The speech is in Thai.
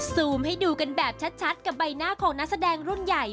ซูมให้ดูกันแบบชัดกับใบหน้าของนักแสดงรุ่นใหญ่